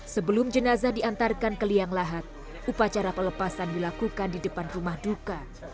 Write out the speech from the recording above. sebelum jenazah diantarkan ke liang lahat upacara pelepasan dilakukan di depan rumah duka